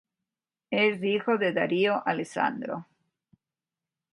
Es hijo de Darío Alessandro.